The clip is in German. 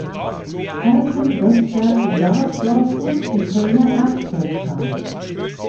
Alpen, Rösberg, Garsdorf und die Kölner Erbvogtei.